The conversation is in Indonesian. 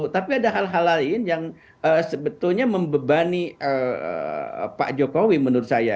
tapi ada hal hal lain yang sebetulnya membebani pak jokowi menurut saya